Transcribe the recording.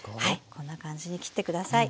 こんな感じに切ってください。